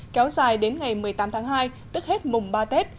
kéo dài đến ngày một mươi tám tháng hai tức hết mùng ba tết